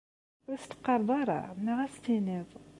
Ur as-teqqareḍ ara neɣ ad as-tiniḍ?